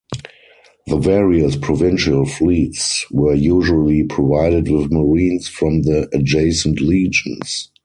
The various provincial fleets were usually provided with marines from the adjacent legions.